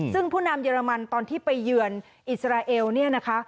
ซึ่งผู้นำเยอรมันตอนที่ไปเยือนอิสราเอลเนี่ยนะคะ